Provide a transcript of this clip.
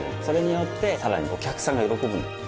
それによってさらにお客さんが喜ぶ。